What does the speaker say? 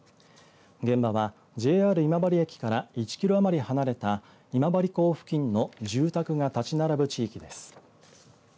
現場はＪＲ今治駅から１キロ余り離れた今治港付近の住宅が立ち並ぶ地域です。